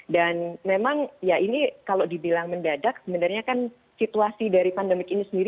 dan memang ya ini kalau dibilang mendadak sebenarnya kan situasi dari pandemik ini sendiri